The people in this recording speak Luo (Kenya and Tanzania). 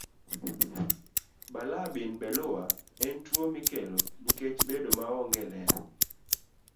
Balaa bin beleua en tuwo mikelo nikech bedo maonge ler.